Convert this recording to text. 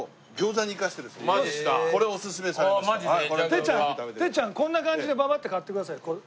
てっちゃんてっちゃんこんな感じでババッと買ってください。